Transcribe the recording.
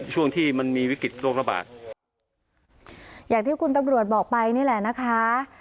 ช่วงที่มันมีวิกฤตโรคระบาดอย่างที่คุณตำรวจบอกไปนี่แหละนะคะ